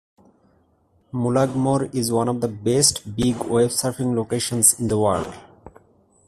Mullaghmore is one of the best big wave surfing locations in the world.